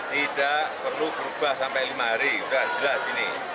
tidak perlu berubah sampai lima hari sudah jelas ini